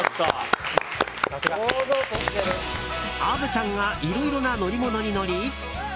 虻ちゃんがいろいろな乗り物に乗り